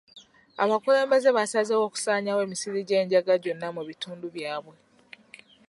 Abakulembeze basazeewo okusaanyaawo emisiri gy'enjaga gyonna mu bitundu byabwe.